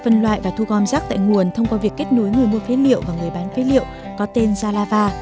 phân loại và thu gom rác tại nguồn thông qua việc kết nối người mua phế liệu và người bán phế liệu có tên zalava